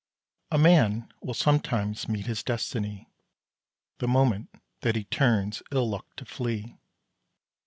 A Man will sometimes meet his destiny The moment that he turns ill luck to flee.